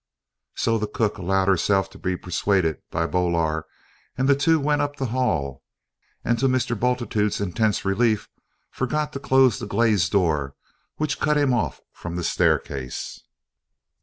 So the cook allowed herself to be persuaded by Boaler, and the two went up to the hall, and, to Mr. Bultitude's intense relief, forgot to close the glazed door which cut him off from the staircase.